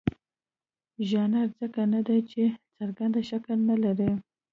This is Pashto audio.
ژانر ځکه نه دی چې څرګند شکل نه لري.